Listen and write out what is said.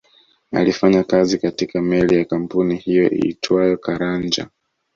Alifanya kazi katika meli ya kampuni hiyo iitwayo Caranja